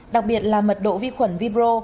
đặc biệt là mật độ vi khuẩn vibro